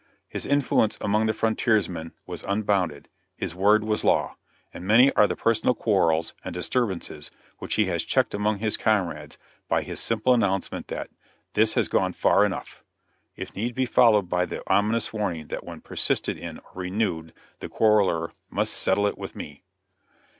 His influence among the frontiersmen was unbounded, his word was law; and many are the personal quarrels and disturbances which he has checked among his comrades by his simple announcement that 'This has gone far enough,' if need be followed by the ominous warning that when persisted in or renewed the quarreler 'must settle it with me.'